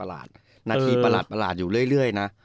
นาทีประหลาดอยู่เรื่อยนะ